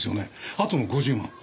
あとの５０万